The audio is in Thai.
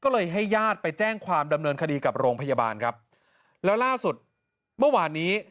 แล้วล่าสุดเมื่อวานนี้